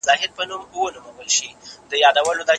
ساینسپوهان د اسټروېډونو په اړه راپور ورکوي.